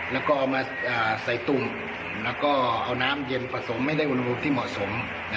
แล้วก็เอามาใส่ตุ้งแล้วก็เอาน้ำเย็นผสมให้ได้อุณหภูมิที่เหมาะสม